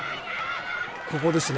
ここですね。